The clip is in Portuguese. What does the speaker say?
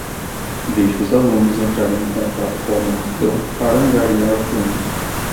Deixe os alunos entrarem em contato com a multidão para angariar fundos